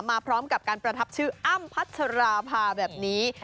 มาพร้อมกับการประทับชื่ออ้ำพัชราภาแบบนี้